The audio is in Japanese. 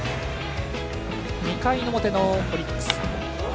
２回表のオリックス。